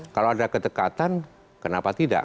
kalau ada kedekatan kenapa tidak